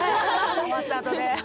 終わったあとで。